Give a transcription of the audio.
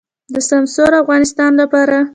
د سمسور افغانستان لپاره.